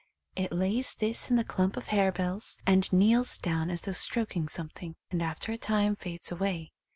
It lays this in the clump of harebells and kneels down as though stroking something, and after a time fades away.